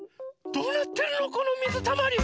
どうなってるのこのみずたまり。